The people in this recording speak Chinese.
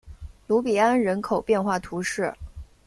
卢比安人口变化图示